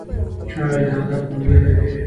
چای د ادب ملګری دی.